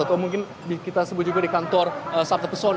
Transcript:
atau mungkin kita sebut juga di kantor sakit peson